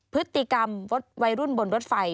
พฤติกรรมวัยรุ่นบนรถไฟ